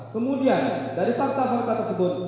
kemudian dari fakta fakta tersebut